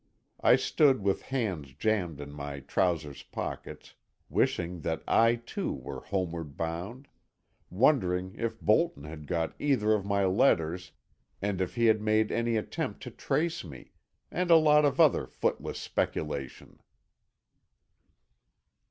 I stood with hands jammed in my trousers pockets, wishing that I, too, were homeward bound, wondering if Bolton had got either of my letters, and if he had made any attempt to trace me—and a lot of other footless speculation.